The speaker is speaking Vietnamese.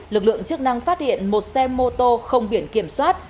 lực lượng chức năng phát hiện một xe mô tô không biển kiểm soát